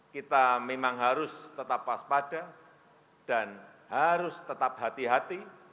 kita memang harus tetap waspada dan harus tetap hati hati